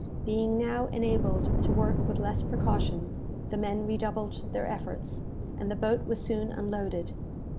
Being now enabled to work with less precaution, the men redoubled their efforts, and the boat was soon unloaded.